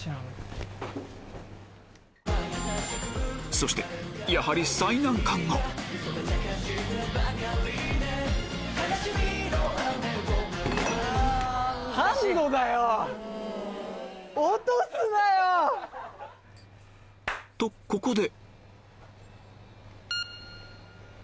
そしてやはりとここで！